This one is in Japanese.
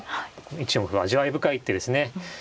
１四歩は味わい深い一手ですね。